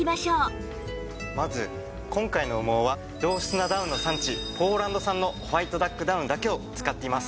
まず今回の羽毛は良質なダウンの産地ポーランド産のホワイトダックダウンだけを使っています。